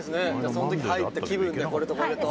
その時入った気分でこれとこれと」